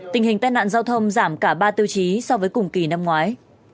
tình hình tai nạn giao thông giảm cả ba tiêu chí so với cùng kỳ năm ngoái